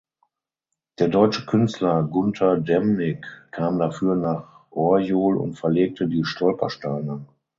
Der deutsche Künstler Gunter Demnig kam dafür nach Orjol und verlegte die Stolpersteine.